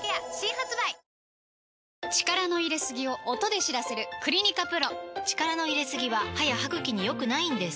力の入れすぎを音で知らせる「クリニカＰＲＯ」力の入れすぎは歯や歯ぐきに良くないんです